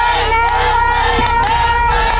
ต่อเร็วครับ